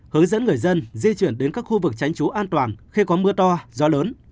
hướng dẫn người dân di chuyển đến các khu vực tránh trú an toàn khi có mưa to gió lớn